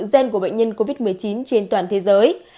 gen của bệnh nhân covid một mươi chín trên toàn thế giới